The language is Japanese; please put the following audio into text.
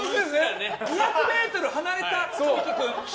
２００ｍ離れた神木君。